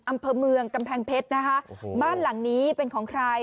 อำเภอเมืองกำแพงเพชรนะคะบ้านหลังนี้เป็นของใคร